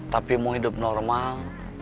tapi mau hidup normal